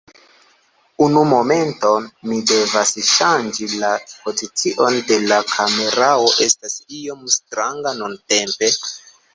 Unu momento, mi devas ŝanĝi la pozicion de la kamerao, estas iom stranga nuntempe.